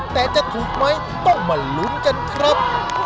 แต่จะถูกไหมต้องมาลุ้นกันครับ